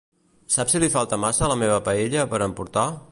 Saps si li falta massa a la meva paella per emportar?